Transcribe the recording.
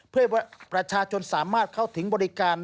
เพื่อให้ประชาชนสามารถเข้าถึงบริการ